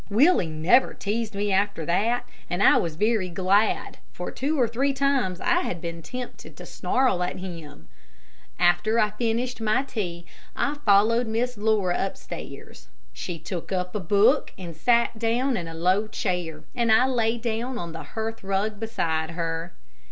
Willie never teased me after that, and I was very glad, for two or three times I had been tempted to snarl at him. After I finished my tea, I followed Miss Laura upstairs. She took up a book and sat down in a low chair, and I lay down on the hearth rug beside her.